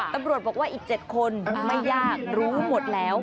ตำรวจบอกว่าอีก๗คนไม่ยากรู้หมดแล้ว